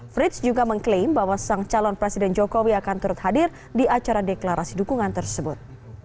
frits juga mengklaim bahwa sang calon presiden jokowi akan turut hadir di acara deklarasi dukungan tersebut